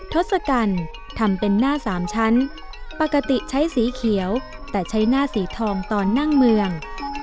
ทศกัณฐ์ทำเป็นหน้าสามชั้นปกติใช้สีเขียวแต่ใช้หน้าสีทองตอนนั่งเมือง